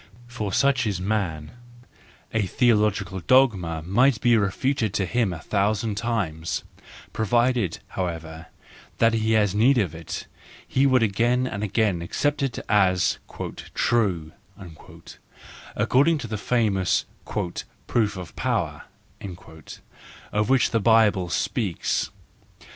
For, such is man: a theological dogma might be refuted to him a thousand times,—provided, how¬ ever, that he had need of it, he would again and again accept it as " true/'—according to the famous " proof of power " of which the Bible speaks.